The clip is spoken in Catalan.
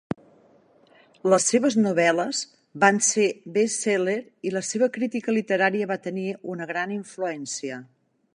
Les seves novel·les van ser best-seller i la seva crítica literària va tenir una gran influència.